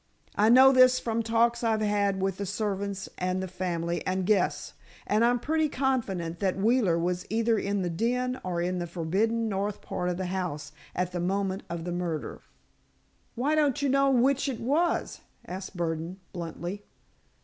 I know this from talks I've had with the servants and the family and guests, and I'm pretty confident that Wheeler was either in the den or in the forbidden north part of the house at the moment of the murder." "Why don't you know which it was?" asked Burdon, bluntly.